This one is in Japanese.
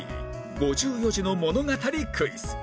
５４字の物語クイズ